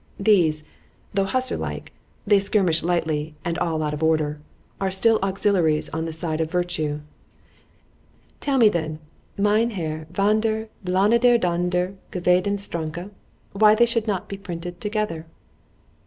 —These, though hussar like, they skirmish lightly and out of all order, are still auxiliaries on the side of virtue;—tell me then, Mynheer Vander Blonederdondergewdenstronke, why they should not be printed together?